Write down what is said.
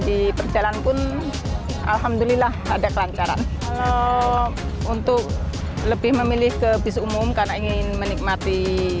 diperjalan pun alhamdulillah ada kelancaran untuk lebih memilih ke bis umum karena ingin menikmati